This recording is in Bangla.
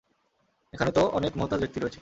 এখানে তো অনেক মুহতাজ ব্যক্তি রয়েছে।